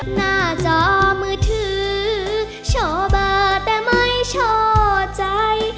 หน้าจอมือถือโชว์เบอร์แต่ไม่ช่อใจ